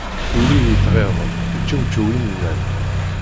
Ul-iw yettɣiḍ, yeččewčew imennan